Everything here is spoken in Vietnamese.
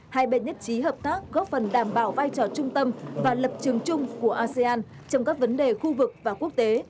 hai bên nhất trí hợp tác góp phần đảm bảo vai trò trung tâm và lập trường chung của asean trong các vấn đề khu vực và quốc tế